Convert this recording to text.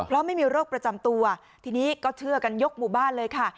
เพราะไม่มีโรคประจำตัวทีนี้ก็เชื่อกันยกหมู่บ้านเลยค่ะ